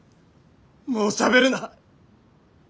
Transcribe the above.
もうしゃべるな。